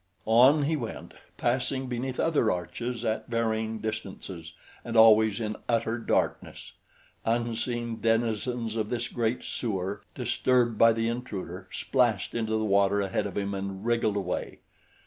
On he went, passing beneath other arches at varying distances, and always in utter darkness. Unseen denizens of this great sewer, disturbed by the intruder, splashed into the water ahead of him and wriggled away.